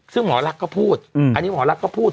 ซึ่งหมอลักษณ์ก็พูดอันนี้หมอลักษณ์ก็พูด